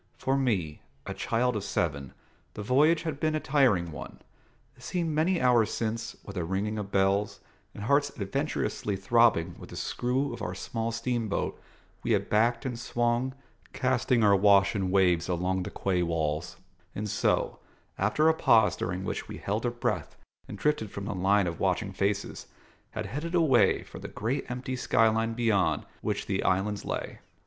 For me, a child of seven, the voyage had been a tiring one: it seemed many hours since, with a ringing of bells, and hearts adventurously throbbing with the screw of our small steamboat, we had backed and swung, casting our wash in waves along the quay walls, and so, after a pause during which we held our breath and drifted from the line of watching faces, had headed away for the great empty sky line beyond which the islands lay.